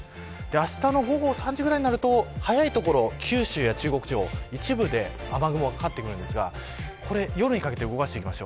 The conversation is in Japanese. あしたの午後３時ぐらいになると早い所、九州や中国地方一部で、雨雲がかかってくるんですが夜にかけて動かしていきます。